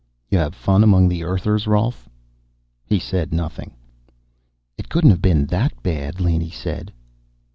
"You have fun among the Earthers, Rolf?" He said nothing. "It couldn't have been that bad," Laney said.